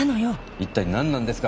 一体なんなんですか？